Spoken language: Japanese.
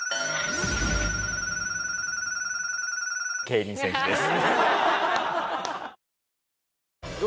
競輪選手です。